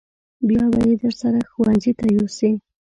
بیا به یې درسره ښوونځي ته یوسې.